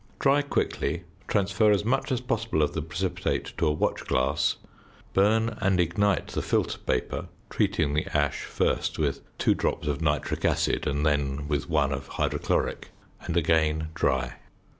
Dry quickly, transfer as much as possible of the precipitate to a watch glass; burn and ignite the filter paper, treating the ash first with two drops of nitric acid and then with one of hydrochloric, and again dry.